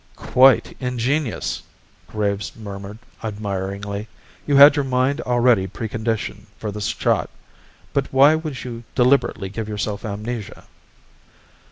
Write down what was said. "Quite ingenious," Graves murmured admiringly. "You had your mind already preconditioned for the shot. But why would you deliberately give yourself amnesia?"